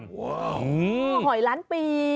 ว้าวยหอยร้านปี